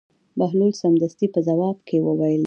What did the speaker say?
بهلول سمدستي په ځواب کې وویل: نه.